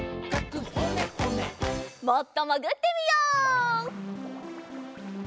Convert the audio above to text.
もっともぐってみよう。